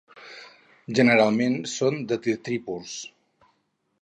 Generalment són detritívors.